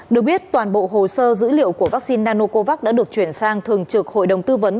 được biết toàn bộ hồ sơ dữ liệu của vaccine nanocovax đã được chuyển sang thường trực hội đồng tư vấn